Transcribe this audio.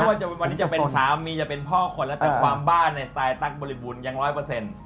ว่าวันนี้จะเป็นสามีจะเป็นพ่อคนแล้วแต่ความบ้าในสไตล์ตั๊กบริบูรณ์ยังร้อยเปอร์เซ็นต์